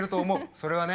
それはね。